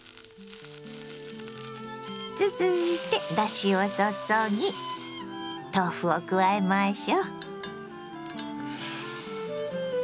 続いてだしを注ぎ豆腐を加えましょ。